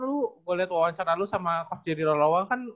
gue liat wawancara lo sama coach jerry rolawang kan